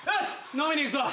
飲みに行くぞ。